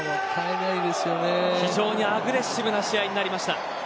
非常にアグレッシブな試合になりました。